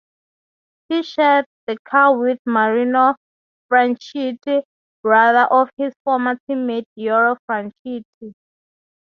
He shared the car with Marino Franchitti, brother of his former teammate Dario Franchitti.